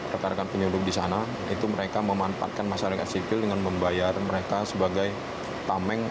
rekan rekan penyelundup di sana itu mereka memanfaatkan masyarakat sipil dengan membayar mereka sebagai tameng